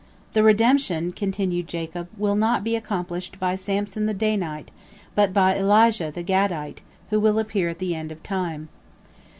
The redemption" continued Jacob, "will not be accomplished by Samson the Danite, but by Elijah the Gadite, who will appear at the end of time."